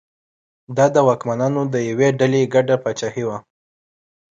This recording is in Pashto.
دا د واکمنانو د یوې ډلې ګډه پاچاهي وه.